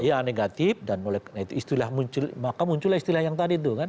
iya negatif dan oleh istilah maka muncul istilah yang tadi itu kan